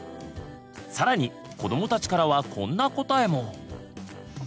更にこどもたちからはこんな答えも。